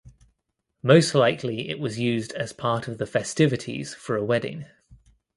Most likely it was used as part of the festivities for a wedding.